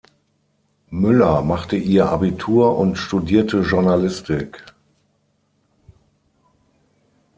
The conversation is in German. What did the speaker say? Müller machte ihr Abitur und studierte Journalistik.